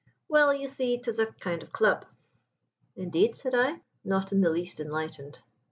"'Well, you see, 'tis a kind o' club.' "'Indeed?' said I, not in the least enlightened.